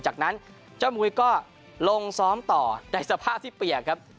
จากนั้นเจ้ามุยก็ลงซ้อมต่อในสภาพที่เปียกครับ